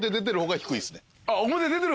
はい。